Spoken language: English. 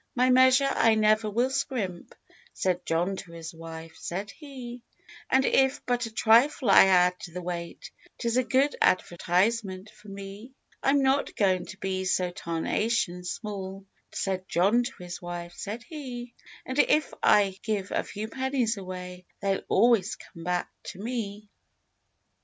"My measure I never will scrimp," Said John to his wife, said he— "And if but a trifle I add to the weight 'Tis a good advertisement for me." "I'm not going to be so tarnation small," Said John to his wife, said he— "And if I give a few pennies away They'll always come back to me."